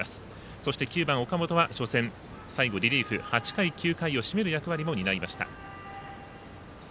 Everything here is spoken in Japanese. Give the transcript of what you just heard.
そして９番、岡本は初戦、最後リリーフ８回、９回を締める役割も担いました。